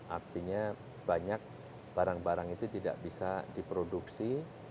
artinya banyak barang barang itu tidak bisa diproduksi